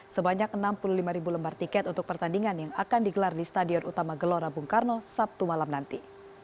sebanyak enam puluh lima ribu lembar tiket untuk pertandingan yang akan digelar di stadion utama gelora bung karno sabtu malam nanti